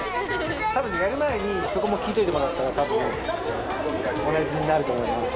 多分やる前にそこも聞いといてもらったら同じになると思います。